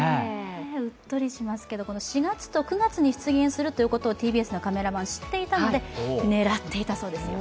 うっとりしますけど、４月から９月に出現するということをＴＢＳのカメラマンは知っていたので狙っていたそうですよ。